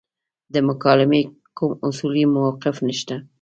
د مکالمې کوم اصولي موقف نشته.